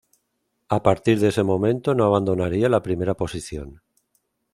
A partir de ese momento no abandonaría la primera posición.